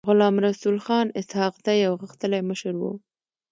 غلام رسول خان اسحق زی يو غښتلی مشر و.